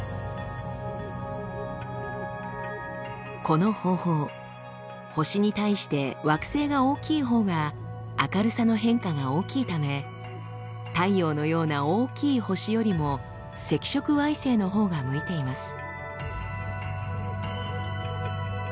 この方法星に対して惑星が大きいほうが明るさの変化が大きいため太陽のような大きい星よりも赤色矮星のほうが向いています。